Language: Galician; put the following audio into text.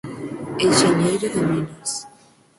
Enxeñeiro de minas.